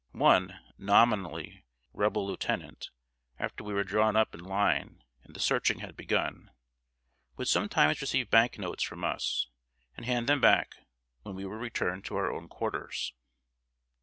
One (nominally) Rebel lieutenant, after we were drawn up in line and the searching had begun, would sometimes receive bank notes from us, and hand them back when we were returned to our own quarters.